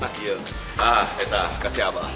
nah kita kasih apa